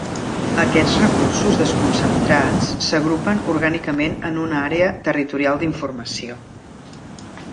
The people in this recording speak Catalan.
Aquests recursos desconcentrats s'agrupen orgànicament en una Àrea Territorial d'Informació.